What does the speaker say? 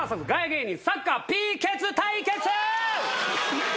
芸人サッカーＰケツ対決！